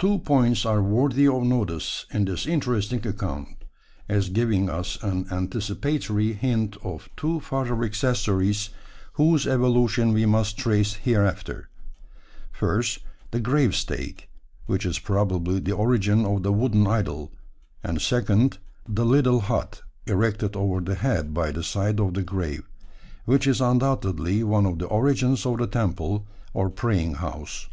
Two points are worthy of notice in this interesting account, as giving us an anticipatory hint of two further accessories whose evolution we must trace hereafter: first, the grave stake, which is probably the origin of the wooden idol; and second, the little hut erected over the head by the side of the grave, which is undoubtedly one of the origins of the temple, or praying house.